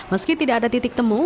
meski tidak ada titik temu